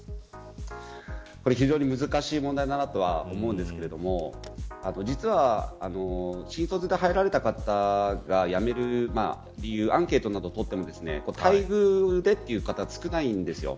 これ、非常に難しい問題だなと思うんですけれども実は、新卒で入られた方が辞める理由アンケートなどを取っても待遇でという方は少ないんですよ。